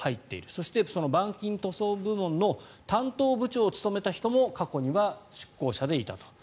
そして、その板金塗装部門の担当部長を務めた人も過去には出向者でいたと。